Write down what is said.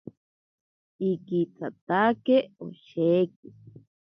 Ikitsatake osheki.